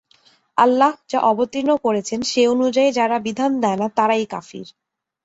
আল্লাহ্ যা অবতীর্ণ করেছেন, সে অনুযায়ী যারা বিধান দেয় না তারাই কাফির।